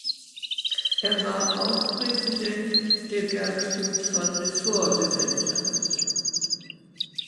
Er war auch Präsident der Gertrud von le Fort-Gesellschaft.